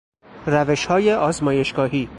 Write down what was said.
روشهای آزمایشگاهی